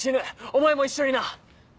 お前も一緒にな。